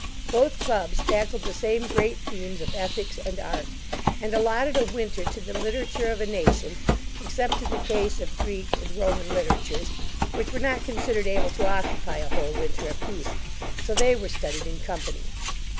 Both clubs tackled the same great themes of ethics and art, and allotted a winter to the literature of a nation, except in the case of Greek and Roman literatures, which were not considered able to occupy a whole winter apiece, so they were studied in company.